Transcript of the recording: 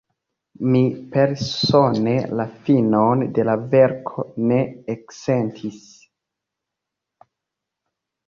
Mi persone la finon de la verko ne eksentis.